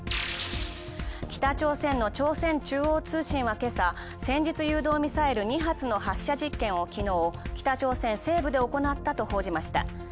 北朝鮮の朝鮮中央通信はけさ戦術誘導ミサイル２発の発射実験をきのう北朝鮮西武で行ったとした。